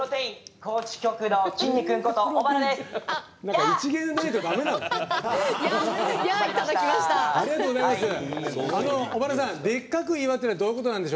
高知のきんに君小原です。